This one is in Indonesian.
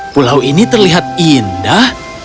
pulau ini terlihat indah